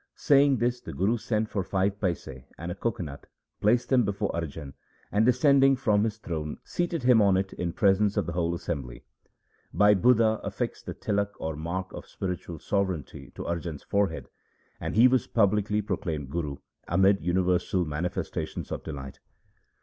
Saying this the Guru sent for five paise and a coco nut, placed them before Arjan, and descending from his throne seated him on it in presence of the whole assembly. Bhai Budha affixed the tilak or mark of spiritual sovereignty to Arjan's forehead, and he was publicly proclaimed Guru amid universal mani festations of delight.